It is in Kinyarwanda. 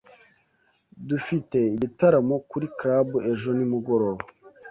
Dufite igitaramo kuri club ejo nimugoroba.